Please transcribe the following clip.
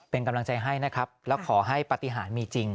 เป็นกำลังใจให้นะครับแล้วขอให้ปฏิหารมีจริง